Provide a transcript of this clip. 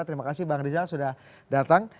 terima kasih bang rizal sudah datang